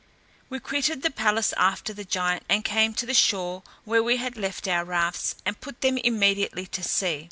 We quitted the palace after the giant, and came to the shore, where we had left our rafts, and put them immediately to sea.